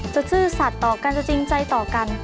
จะฏือศาสต์ต่อกันจะจริงใจต่อกัน